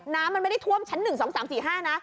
น้ำมันไม่ได้ทั่วชั้น๑๒๓๔๕นะ